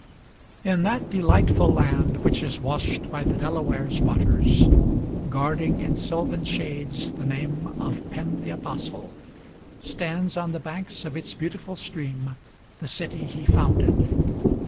IN that delightful land, which is washed by the Delaware's waters, Guarding in sylvan shades the name of Penn the apostle. Stands on the banks of its beautiful stream the city he founded.